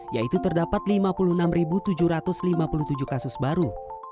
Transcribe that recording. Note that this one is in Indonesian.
yaitu terdapat lima puluh enam tujuh ratus lima puluh tujuh kasus baru